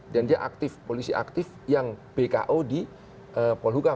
dan dia aktif polisi aktif yang bko di polhukam